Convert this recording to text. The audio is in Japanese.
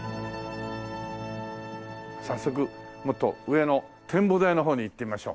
早速もっと上の展望台の方に行ってみましょう。